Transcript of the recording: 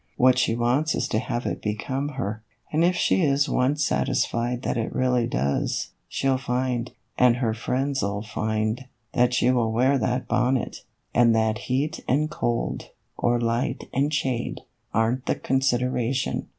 What she wants is to have it become her, and if she is once satisfied that it really does, she '11 find, and her friends '11 find, that she will wear that bonnet, and that heat and cold, or light and shade, are n't the consideration.